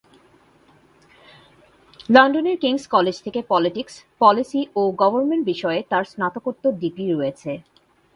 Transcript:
লন্ডনের King's College থেকে politics, policy ও গভর্নমেন্ট বিষয়ে তার স্নাতকোত্তর ডিগ্রি রয়েছে।